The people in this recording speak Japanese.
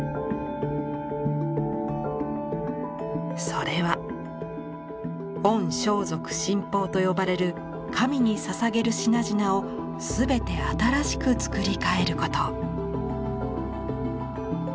それは御装束神宝と呼ばれる神に捧げる品々をすべて新しく作り替えること。